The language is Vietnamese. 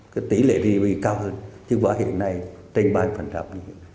cái tỷ lệ gì thì cao hơn chứ quá hiện nay trên ba phần rạp